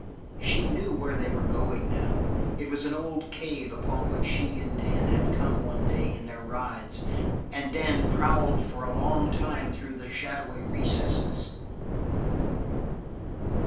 She knew where they were going now; it was the old cave upon which she and Dan had come one day in their rides, and Dan had prowled for a long time through the shadowy recesses.